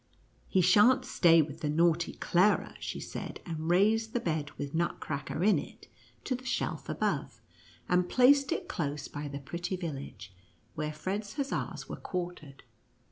" He shan't stay with the naughty Clara," she said, and raised the bed with Nut cracker in it to the shelf above, and placed it NUTCEACKER AND MOUSE KING. 31 close by the pretty village, where Fred's hussars were quartered.